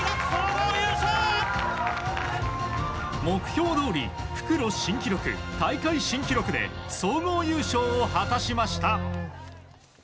目標どおり復路新記録、大会新記録で総合優勝を果たしました。